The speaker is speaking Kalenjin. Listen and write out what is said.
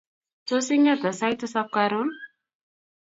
tos ingeta sait tisap karon